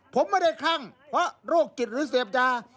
ผมไม่ได้คลั่งเพราะโรคจิตหรือเสพยา